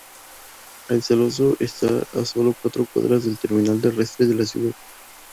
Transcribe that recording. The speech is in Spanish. El coloso está a solo cuatro cuadras del Terminal Terrestre de la ciudad.